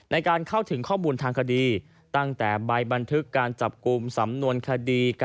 ในการเข้าถึงข้อมูลทางคดี